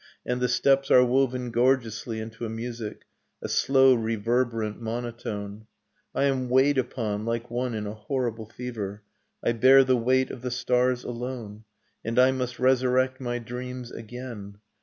And the steps are woven gorgeously into a music, A slow reverberant monotone : I am weighed upon like one in a horrible fever : I bear the weight of the stars alone. And I must resurrect my dreams again.